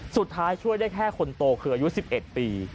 สุดท้ายช่วยได้แค่คนโตคืออายุ๑๑ปี